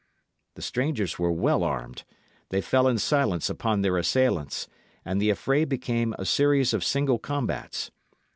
The strangers were well armed; they fell in silence upon their assailants; and the affray became a series of single combats.